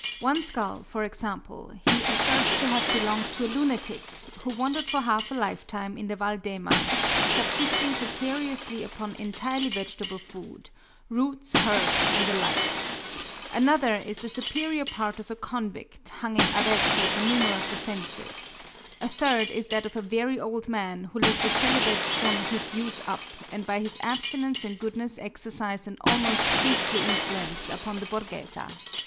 One skull, for example, he asserts to have belonged to a lunatic, who wandered for half a lifetime in the Val d'Ema, subsisting precariously upon entirely vegetable food roots, herbs, and the like; another is the superior part of a convict, hung in Arezzo for numerous offences; a third is that of a very old man who lived a celibate from his youth up, and by his abstinence and goodness exercised an almost priestly influence upon the borghesa.